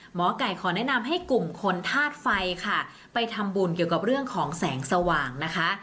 หมอไก่ขอแนะนำให้กลุ่มคนธาตุไฟค่ะไปทำบุญเกี่ยวกับเรื่องของแสงสว่างนะคะ